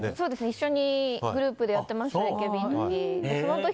一緒にグループでやってましたＡＫＢの時。